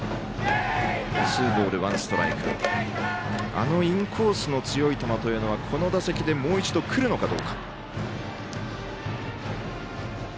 あのインコースの強い球というのはこの打席でもう一度くるのかどうか。